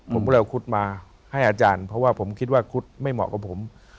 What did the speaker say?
ผมก็เลยเอาคุดมาให้อาจารย์เพราะว่าผมคิดว่าคุดไม่เหมาะกับผม